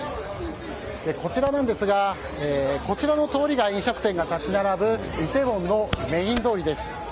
こちらなんですがこちらの通りが飲食店が立ち並ぶ梨泰院のメイン通りです。